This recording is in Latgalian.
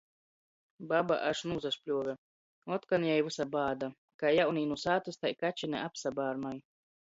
Baba až nūsašpļuove. Otkon jai vysa bāda — kai jaunī nu sātys, tai kačine apsabārnoj!